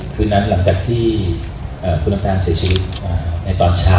คืนนั้นหลังจากที่คุณน้ำตาลเสียชีวิตในตอนเช้า